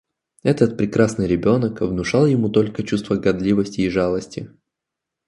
Этот прекрасный ребенок внушал ему только чувство гадливости и жалости.